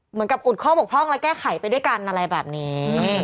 อุดข้อบกพร่องและแก้ไขไปด้วยกันอะไรแบบนี้